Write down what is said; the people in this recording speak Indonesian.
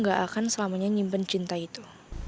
gak akan selamanya nyimpen cinta itu